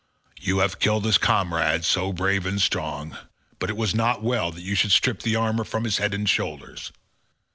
You have killed his comrade so brave and strong, but it was not well that you should strip the armour from his head and shoulders.